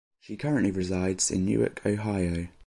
She currently resides in Newark, Ohio.